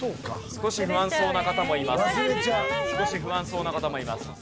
少し不安そうな方もいます。